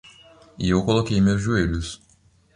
E eu coloquei meus joelhos.